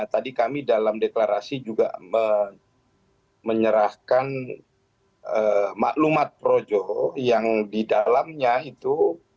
tadi kami dalam deklarasi juga menyerahkan maklumat projo yang di dalamnya itu